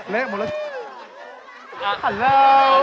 เละหมดแล้ว